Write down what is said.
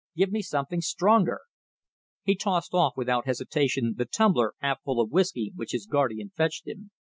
Give me something stronger." He tossed off without hesitation the tumbler half full of whisky which his guardian fetched him.